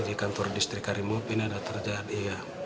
di kantor distrik arimob ini ada terjadi